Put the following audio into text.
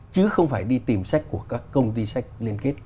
chứ không phải đi tìm sách của các công ty sách liên kết